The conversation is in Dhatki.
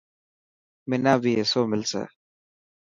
منا بي حصو ملسي.